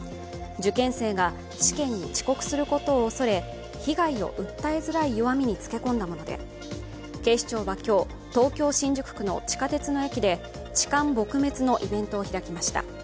受験生が試験に遅刻することを恐れ被害を訴えづらい弱みにつけ込んだもので、警視庁は今日東京・新宿区の地下鉄の駅で痴漢撲滅のイベントを開きました。